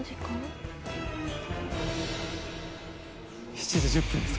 ７時１０分です